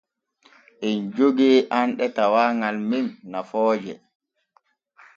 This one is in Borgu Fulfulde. Em jogee anɗe tawaagal men nafooje.